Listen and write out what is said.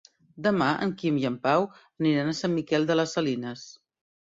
Demà en Quim i en Pau aniran a Sant Miquel de les Salines.